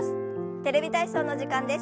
「テレビ体操」の時間です。